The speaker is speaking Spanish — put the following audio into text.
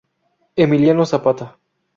Emiliano Zapata.